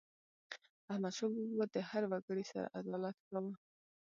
احمدشاه بابا به د هر وګړي سره عدالت کاوه.